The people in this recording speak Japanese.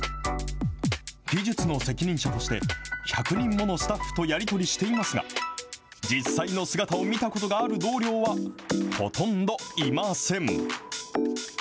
技術の責任者として１００人ものスタッフとやり取りしていますが、実際の姿を見たことがある同僚はほとんどいません。